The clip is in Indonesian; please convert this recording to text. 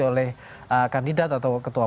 oleh kandidat atau ketua